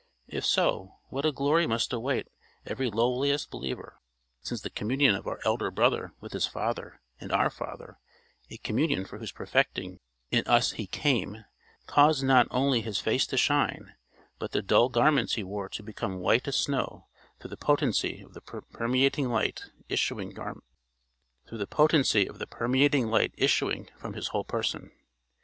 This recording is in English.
If so, what a glory must await every lowliest believer, since the communion of our elder brother with his Father and our Father, a communion for whose perfecting in us he came, caused not only his face to shine, but the dull garments he wore to become white as snow through the potency of the permeating light issuing from his whole person!